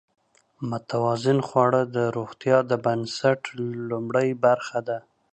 متوازن خواړه د روغتیا د بنسټ لومړۍ برخه ده.